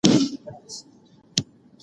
دوی غواړي چي سیمه کنټرول کړي.